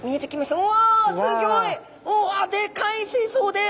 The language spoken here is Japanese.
うわでかい水槽です。